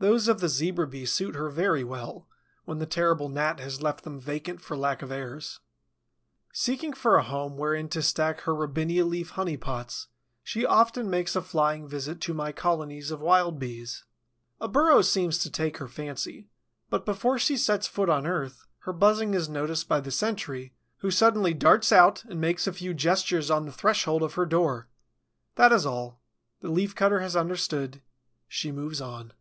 Those of the Zebra Bee suit her very well, when the terrible Gnat has left them vacant for lack of heirs. Seeking for a home wherein to stack her Robinia leaf honey pots, she often makes a flying visit to my colonies of Wild Bees. A burrow seems to take her fancy; but, before she sets foot on earth, her buzzing is noticed by the sentry, who suddenly darts out and makes a few gestures on the threshold of her door. That is all. The Leaf cutter has understood. She moves on.